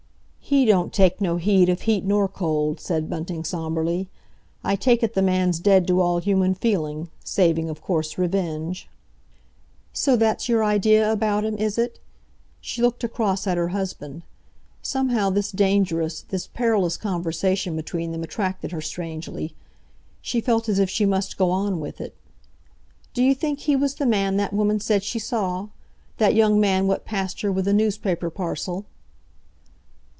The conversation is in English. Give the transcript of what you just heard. "He don't take no heed of heat nor cold," said Bunting sombrely. "I take it the man's dead to all human feeling—saving, of course, revenge." "So that's your idea about him, is it?" She looked across at her husband. Somehow this dangerous, this perilous conversation between them attracted her strangely. She felt as if she must go on with it. "D'you think he was the man that woman said she saw? That young man what passed her with a newspaper parcel?"